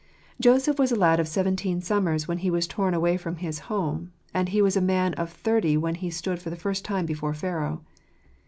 Joseph was a lad of seventeen summers when he was tom away from his home; and he was a young man of thirty when he stood for the first time before Pharaoh.